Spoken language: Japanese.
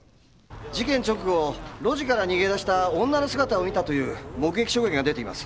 事件直後路地から逃げ出した女の姿を見たという目撃証言が出ています。